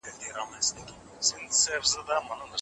په وروسته پاته هېوادونو کي د ټکنالوژۍ د نشتوالي ستونزه دوام لري.